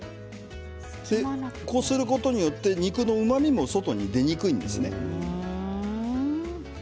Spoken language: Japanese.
こうすることによって肉のうまみが外に出にくいんですね。